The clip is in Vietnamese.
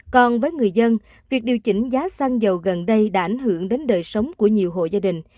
còn với người dân việc điều chỉnh giá xăng dầu gần đây đã ảnh hưởng đến đời sống của nhiều hộ gia đình